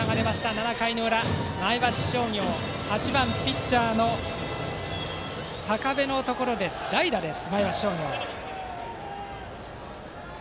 ７回の裏、前橋商業８番ピッチャーの坂部のところで代打です。